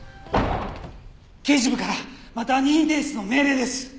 刑事部からまた任意提出の命令です。